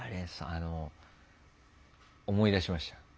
あの思い出しましたよ。